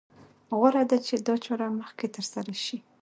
غوره ده چې دا چاره مخکې تر سره شي.